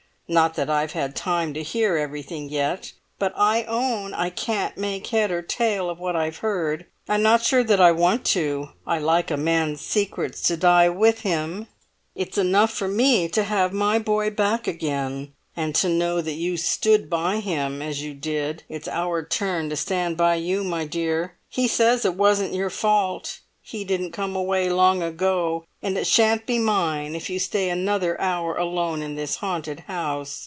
Not that I've had time to hear everything yet, but I own I can't make head or tail of what I have heard. I'm not sure that I want to. I like a man's secrets to die with him; it's enough for me to have my boy back again, and to know that you stood by him as you did. It's our turn to stand by you, my dear! He says it wasn't your fault he didn't come away long ago; and it shan't be mine if you stay another hour alone in this haunted house.